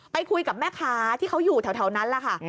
ไปคุยกับแม่ค้าที่เขาอยู่แถวนั้นแหละค่ะ